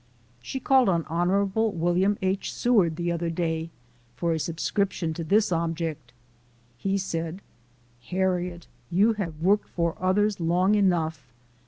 She called on Hon. Wm. H. Seward, the other day, for a subscription to this object. He said, " Harriet, you have worked for others long enough.